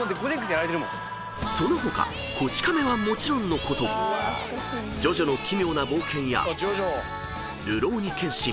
［その他『こち亀』はもちろんのこと『ジョジョの奇妙な冒険』や『るろうに剣心』